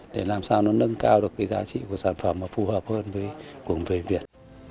để làm sao nó nâng cao được cái giá trị của sản phẩm mà phù hợp hơn với của người việt